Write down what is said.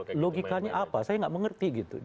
karena logikanya apa saya nggak mengerti gitu